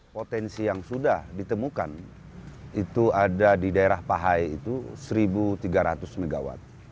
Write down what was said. potensi yang sudah ditemukan itu ada di daerah pahai itu seribu tiga ratus mw